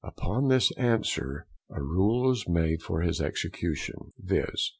Upon this Answer a Rule was made for his Execution, _viz.